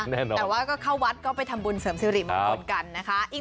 แต่ว่าก็เข้าวัดก็ไปทำบุญเสริมสิริมงคลกันนะคะ